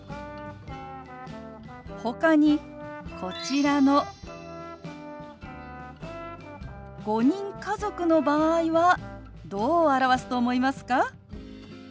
ほかにこちらの５人家族の場合はどう表すと思いますか？